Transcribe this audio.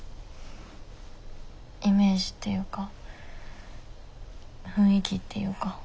イメージっていうか雰囲気っていうか。